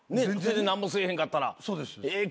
何もせえへんかったらええ